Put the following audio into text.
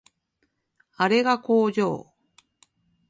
あれが工場